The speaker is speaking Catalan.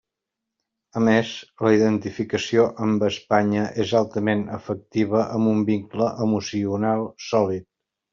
A més, la identificació amb Espanya és altament afectiva, amb un vincle emocional sòlid.